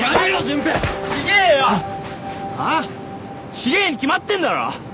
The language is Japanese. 違えに決まってんだろ！